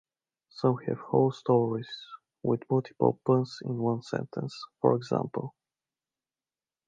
Some have whole stories with multiple puns in one sentence, for example.